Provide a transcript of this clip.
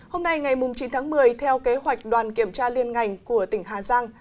hôm nay ngày chín tháng một mươi theo kế hoạch đoàn kiểm tra liên ngành của tỉnh hà giang